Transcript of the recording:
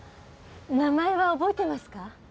名前は覚えてますか？